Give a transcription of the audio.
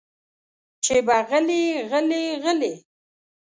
چې به غلې غلې غلې